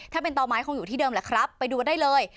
ถ้าเป็นต่อไม้คงอยู่ที่เดิมแหละครับไปดูกันได้เลย